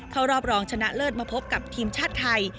เข้ารอบรองชนะเลิศมาพบกับทีมชาติไทย